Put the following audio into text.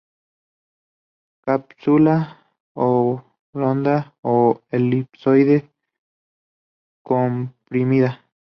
Cápsula oblonga o elipsoide, comprimida.